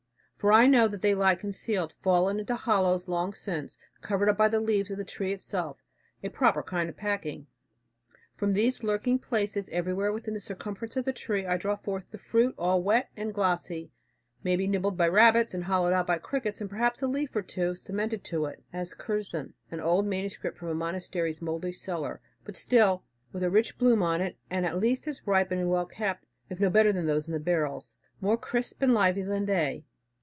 For I know that they lie concealed, fallen into hollows long since, and covered up by the leaves of the tree itself a proper kind of packing. From these lurking places, everywhere within the circumference of the tree, I draw forth the fruit all wet and glossy, maybe nibbled by rabbits and hollowed out by crickets, and perhaps a leaf or two cemented to it (as Curzon an old manuscript from a monastery's mouldy cellar), but still with a rich bloom on it, and at least as ripe and well kept, if no better than those in barrels, more crisp and lively than they.